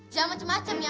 jangan macem macem ya